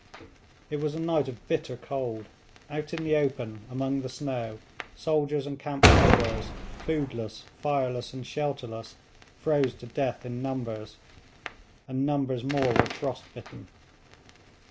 It was a night of bitter cold. Out in the open among the snow, soldiers and camp followers, foodless, fireless, and shelterless, froze to death in numbers, and numbers more were frost bitten.